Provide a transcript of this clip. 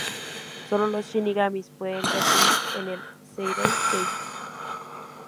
Sólo los shinigamis pueden residir en el Seireitei.